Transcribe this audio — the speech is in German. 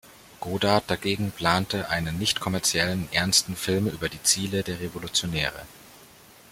Godard dagegen plante einen nichtkommerziellen, ernsten Film über die Ziele der Revolutionäre.